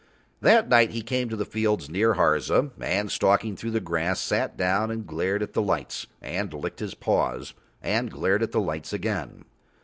That night he came to the fields near Harza, and stalking through the grass sat down and glared at the lights, and licked his paws and glared at the lights again.